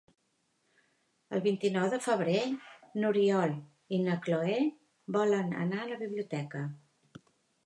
El vint-i-nou de febrer n'Oriol i na Cloè volen anar a la biblioteca.